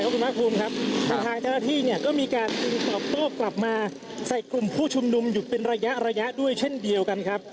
คุณภาคภูมิครับทางเจ้าหน้าที่เนี่ยก็มีการตอบโต้กลับมาใส่กลุ่มผู้ชุมนุมอยู่เป็นระยะระยะด้วยเช่นเดียวกันครับ